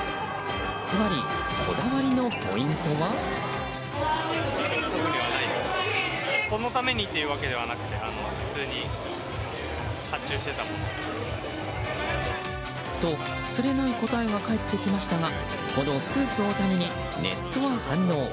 ズバリ、こだわりのポイントは？と、つれない答えが帰ってきましたがこのスーツ大谷にネットが反応。